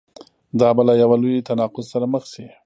دا به له یوه لوی تناقض سره مخ شي.